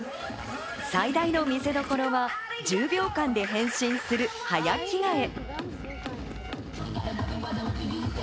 最大の見せどころは１０秒間で変身する早着替え。